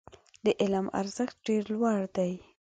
د علم ارزښت ډېر لوړ دی.